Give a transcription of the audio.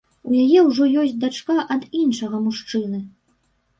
У яе ўжо ёсць дачка ад іншага мужчыны.